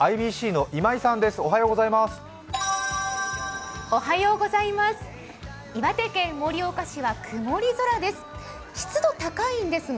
ＩＢＣの今井さんです。